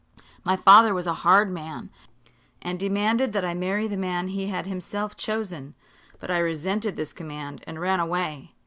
My father was a hard man, and demanded that I marry the man he had himself chosen; but I resented this command and ran away.